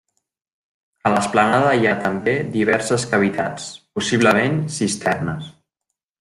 A l'esplanada hi ha també diverses cavitats, possiblement cisternes.